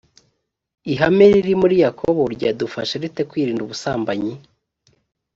ihame riri muri yakobo ryadufasha rite kwirinda ubusambanyi